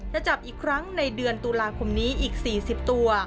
จะจับอีกครั้งในเดือนตุลาคมนี้อีก๔๐ตัว